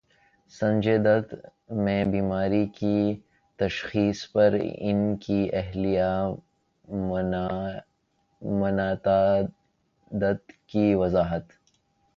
سنجے دت میں بیماری کی تشخیص پر ان کی اہلیہ منائتا دت کی وضاحت